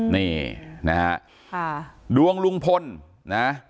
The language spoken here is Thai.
นี่นะฮะดวงลุงพลนะ